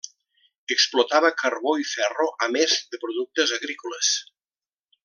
Explotava carbó i ferro a més de productes agrícoles.